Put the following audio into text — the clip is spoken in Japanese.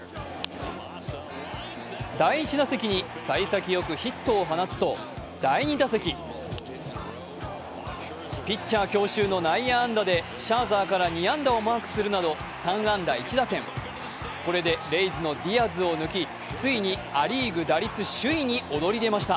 第１打席にさい先良くヒットを放つと、第２打席、ピッチャー強襲の内野安打でシャーザーから２安打をマークするなど３安打１打点、これでレイズのディアズを抜きついにア・リーグ打率首位に躍り出ました。